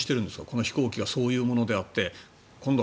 この飛行機はそういうものであって今度